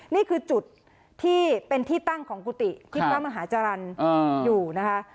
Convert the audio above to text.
นี่คือจุดที่เป็นที่ตั้งของกุฏิที่พระมหาจรรย์อยู่นะคะ